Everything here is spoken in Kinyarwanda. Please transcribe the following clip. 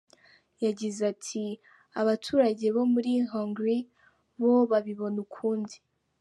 Yagize ati: "Abaturage ba Hongrie bo babibona ukundi.